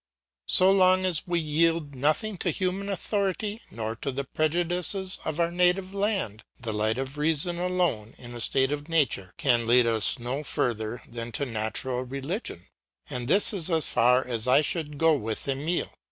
So long as we yield nothing to human authority, nor to the prejudices of our native land, the light of reason alone, in a state of nature, can lead us no further than to natural religion; and this is as far as I should go with Emile.